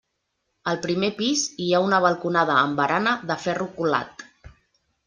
Al primer pis hi ha una balconada amb barana de ferro colat.